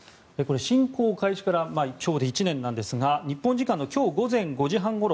侵攻開始から今日で１年なんですが日本時間の今日午前５時半ごろ